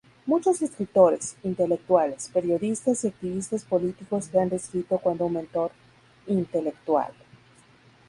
Muchos escritores, intelectuales, periodistas y activistas políticos le han descrito cuando un mentor intelectual.